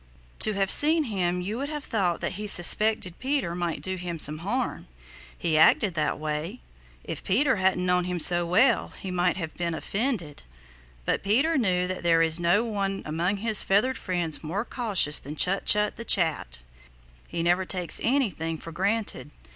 To have seen him you would have thought that he suspected Peter might do him some harm. He acted that way. If Peter hadn't known him so well he might have been offended. But Peter knew that there is no one among his feathered friends more cautious than Chut Chut the Chat. He never takes anything for granted.